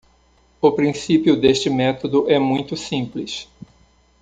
O princípio deste método é muito simples